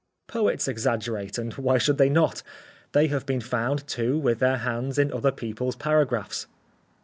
_ Poets exaggerate and why should they not? They have been found, too, with their hands in other people's paragraphs.